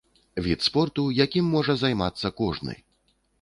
Від спорту, якім можа займацца кожны.